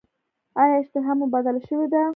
ایا اشتها مو بدله شوې ده؟